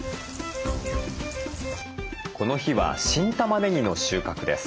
この日は新たまねぎの収穫です。